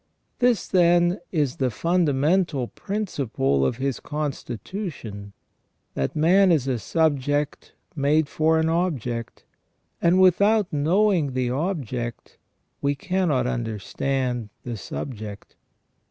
This, then, is the fundamental principle of his constitution, that man is a subject ON THE NATURE OF MAN. 3 made for an object, and without knowing the object we cannot understand the subject.